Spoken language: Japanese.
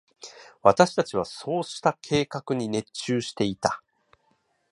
私達はそうした計画に熱中していた。